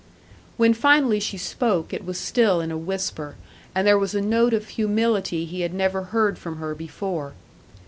When finally she spoke, it was still in a whisper, and there was a note of humility he had never heard from her before.